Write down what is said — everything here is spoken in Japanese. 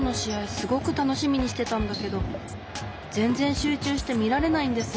すごくたのしみにしてたんだけどぜんぜんしゅうちゅうしてみられないんです。